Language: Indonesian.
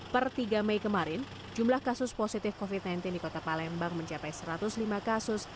per tiga mei kemarin jumlah kasus positif covid sembilan belas di kota palembang mencapai satu ratus lima kasus